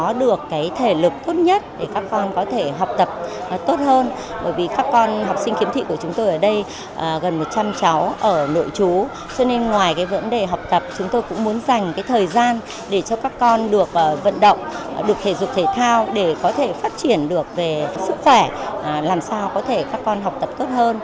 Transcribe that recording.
có được cái thể lực tốt nhất để các con có thể học tập tốt hơn bởi vì các con học sinh kiếm thị của chúng tôi ở đây gần một trăm linh cháu ở nội chú cho nên ngoài cái vấn đề học tập chúng tôi cũng muốn dành cái thời gian để cho các con được vận động được thể dục thể thao để có thể phát triển được về sức khỏe làm sao có thể các con học tập tốt hơn